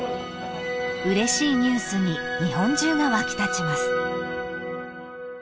［うれしいニュースに日本中が沸き立ちます］